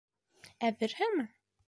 Әҙерһеңме?..